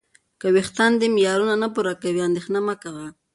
که وېښتان دې معیارونه نه پوره کوي، اندېښنه مه کوه.